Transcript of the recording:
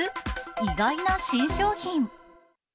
意外な新商品。